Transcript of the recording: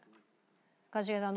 一茂さん